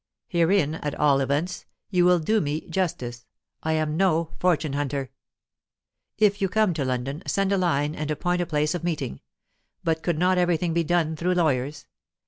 Herein, at all events, you will do me justice; I am no fortune hunter. "If you come to London, send a line and appoint a place of meeting. But could not everything be done through lawyers?